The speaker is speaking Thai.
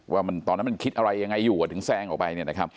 ว่าตอนนั้นมันคิดอะไรยังไงอยู่ถึงแซงออกไป